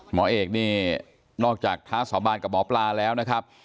หมอเอกนี่นอกจากท้าสาบานกับหมอปลาแล้วนะครับ